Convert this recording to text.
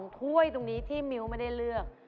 ถ้วยตรงนี้ที่มิ้วไม่ได้เลือก